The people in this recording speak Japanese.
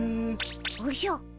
おじゃ。